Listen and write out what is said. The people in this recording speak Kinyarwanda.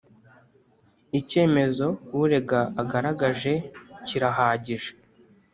icyemezo urega agaragaje kirahagije